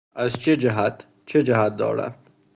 ازچه جهت ـ چه جهت دارد